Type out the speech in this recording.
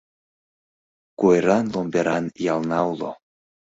Куэран-ломберан ялна уло.